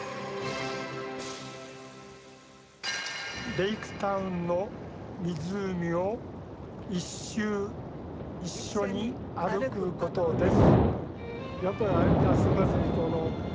レイクタウンの湖を１周一緒に歩くことです。